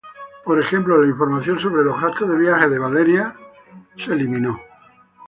Por ejemplo, la información sobre los gastos de viajes de Valeria fue eliminada.